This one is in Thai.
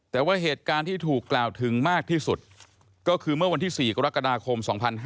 แต่ว่าเหตุการณ์ที่ถูกกล่าวถึงมากที่สุดก็คือเมื่อวันที่๔กรกฎาคม๒๕๕๙